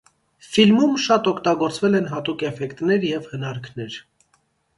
Ֆիլմում շատ օգտագործվել են հատուկ էֆեկտներ և հնարքներ։